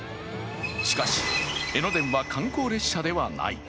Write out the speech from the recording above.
しかし江ノ電は観光列車ではない。